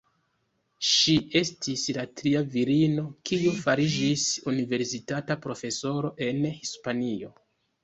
Ŝi estis la tria virino kiu fariĝis universitata profesoro en Hispanio.